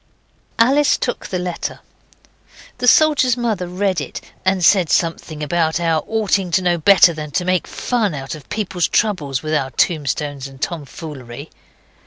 Alice took the letter. The soldier's mother read it, and said something about our oughting to know better than to make fun of people's troubles with our tombstones and tomfoolery.